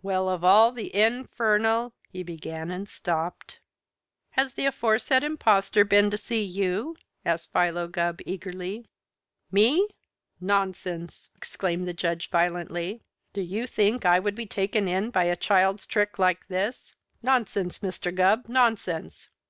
"Well, of all the infernal " he began and stopped. "Has the aforesaid impostor been to see you?" asked Philo Gubb eagerly. "Me? Nonsense!" exclaimed the Judge violently. "Do you think I would be taken in by a child's trick like this? Nonsense, Mr. Gubb, nonsense!"